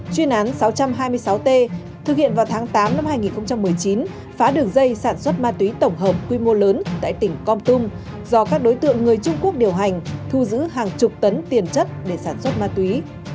chuyên án sáu trăm hai mươi sáu t thực hiện vào tháng tám năm hai nghìn một mươi chín phá đường dây sản xuất ma túy tổng hợp quy mô lớn tại tỉnh con tum do các đối tượng người trung quốc điều hành thu giữ hàng chục tấn tiền chất để sản xuất ma túy